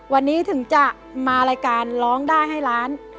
วันนี้ถึงจะมารายการร้องได้ให้ล้าน